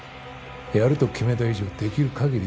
やると決めた以上できる限り